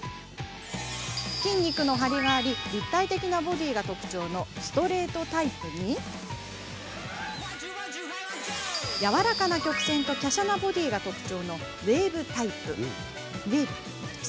筋肉のハリがあり立体的なボディーが特徴のストレートタイプにやわらかな曲線ときゃしゃなボディーが特徴のウエーブタイプ。